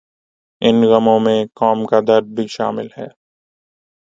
ان غموں میں قوم کا درد بھی شامل ہے۔